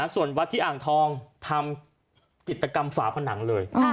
ส่วนวัดที่อ่างทองทำจิตกรรมฝาผนังเลย